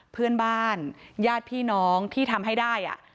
เพื่อนบ้านญาติพี่น้องที่ทำให้ได้